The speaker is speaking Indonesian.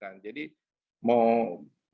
angka ini mencapai rp sepuluh tiga miliar dolar as